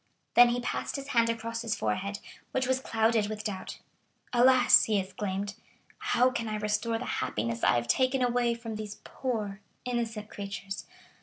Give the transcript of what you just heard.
Then he passed his hand across his forehead, which was clouded with doubt. "Alas," he exclaimed, "how can I restore the happiness I have taken away from these poor innocent creatures?